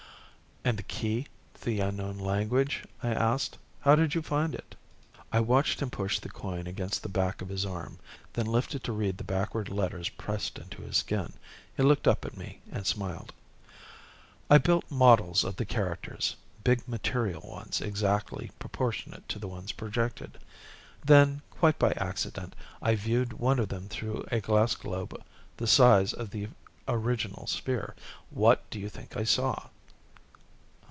"And the key to the unknown language?" I asked. "How did you find it?" I watched him push the coin against the back of his arm, then lift it to read the backward letters pressed into his skin. He looked up at me and smiled. "I built models of the characters. Big material ones, exactly proportionate to the ones projected. Then quite by accident I viewed one of them through a glass globe the size of the original sphere. What do you think I saw?"